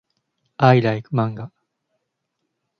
I like manga.